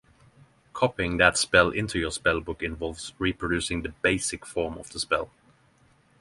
Copying that spell into your spellbook involves reproducing the basic form of the spell.